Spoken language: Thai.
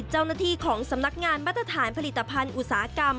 เจ้าหน้าที่ของสำนักงานมาตรฐานผลิตภัณฑ์อุตสาหกรรม